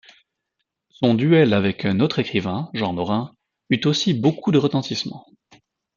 Son duel avec un autre écrivain, Jean Lorrain, eut aussi beaucoup de retentissement.